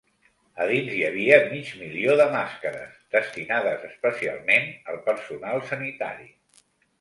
A dins hi havia mig milió de màscares, destinades especialment al personal sanitari.